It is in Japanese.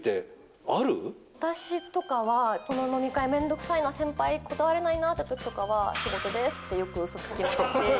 私とかは、この飲み会めんどくさいな、先輩、断れないなってときとかは、仕事ですってよくうそつきますし。